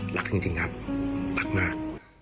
หลักจริงครับหลักมาก